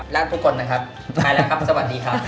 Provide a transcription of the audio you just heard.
และทุกคนนะครับไปแล้วครับสวัสดีครับ